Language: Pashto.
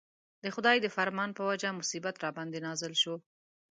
د خدای د فرمان په وجه مصیبت راباندې نازل شو.